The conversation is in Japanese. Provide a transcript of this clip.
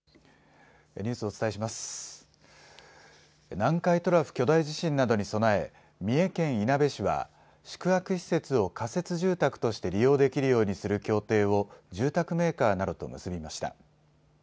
南海トラフ巨大地震などに備え三重県いなべ市は宿泊施設を仮設住宅として利用できるようにする協定を住宅メーカーなどと結びました。